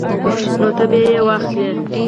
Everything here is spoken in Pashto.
نو ته به یې واخلې